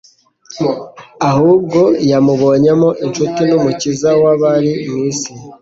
ahubwo yamubonyemo inshuti n'Umukiza w'abari mu isi.